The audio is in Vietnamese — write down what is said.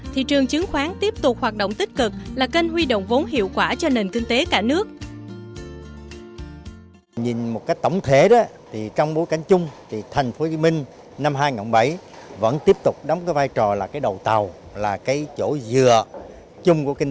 thị trường chứng khoán tiếp tục hoạt động tích cực là kênh huy động vốn hiệu quả cho nền kinh tế cả nước